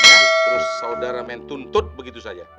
terus saudara main tuntut begitu saja